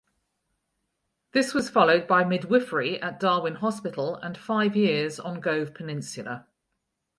This was followed by midwifery at Darwin Hospital and five years on Gove Peninsula.